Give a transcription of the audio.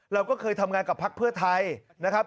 เราก็เคยทำงานกับพักเพื่อไทยนะครับ